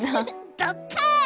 ドッカーン！